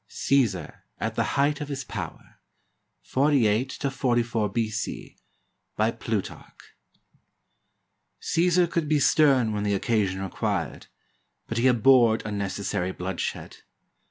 CiESAR AT THE HEIGHT OF HIS POWER ' [48 44 B.C.] BY PLUTARCH [Cesar could be stern when the occasion required, but he abhorred unnecessary bloodshed.